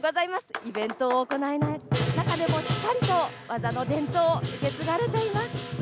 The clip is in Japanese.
イベントを行えない中でも、しっかりと技の伝統を受け継がれています。